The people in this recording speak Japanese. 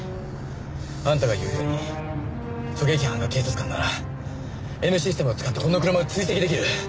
あんたが言うように狙撃犯が警察官ならＮシステムを使ってこの車を追跡出来る。